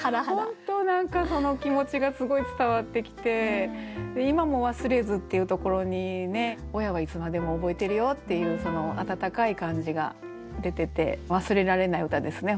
本当何かその気持ちがすごい伝わってきて「今も忘れず」っていうところに親はいつまでも覚えてるよっていうその温かい感じが出てて忘れられない歌ですね